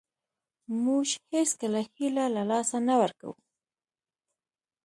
موږ هېڅکله هیله له لاسه نه ورکوو .